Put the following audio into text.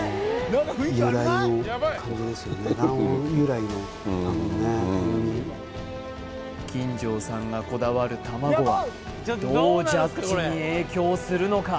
はい金城さんがこだわる卵はどうジャッジに影響するのか